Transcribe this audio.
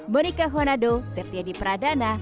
monika honado septiadi pradana